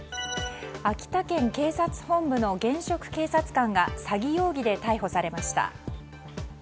秋田県警察本部の現職警察官が詐欺容疑で逮捕されました。